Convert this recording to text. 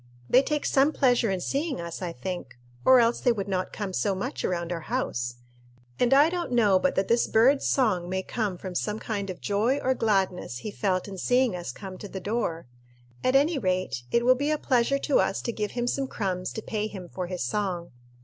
They take some pleasure in seeing us, I think, or else they would not come so much around our house; and I don't know but that this bird's song may come from some kind of joy or gladness he felt in seeing us come to the door. At any rate, it will be a pleasure to us to give him some crumbs to pay him for his song."